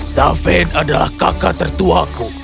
safed adalah kakak tertuaku